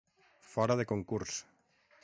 Fora de concurs.